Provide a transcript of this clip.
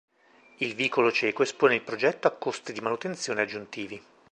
Il vicolo cieco espone il progetto a costi di manutenzione aggiuntivi.